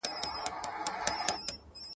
شپې له اوښکو سره رغړي ورځي وړي د عمر خښتي ..